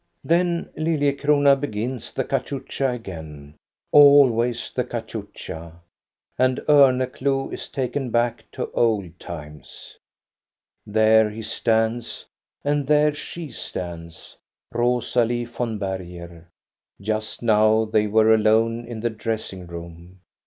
Then Lilliecrona begins the cachucha again, always the cachucha, and Orneclou is taken back to old times. There he stands, and there she stands, Rosalie von Berger. Just now they were alone in the dressing room.